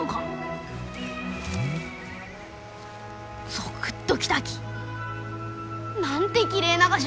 ゾクッときたき！なんてきれいながじゃ！